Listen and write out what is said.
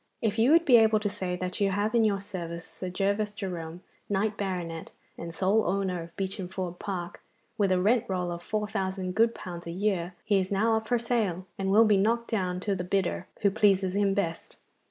If you would be able to say that you have in your service Sir Gervas Jerome, knight banneret, and sole owner of Beacham Ford Park, with a rent roll of four thousand good pounds a year, he is now up for sale, and will be knocked down to the bidder who pleases him best.